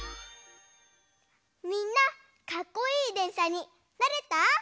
みんなかっこいいでんしゃになれた？